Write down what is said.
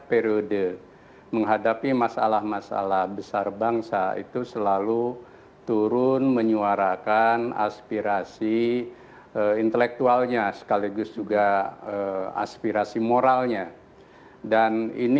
bersama bapak bapak sekalian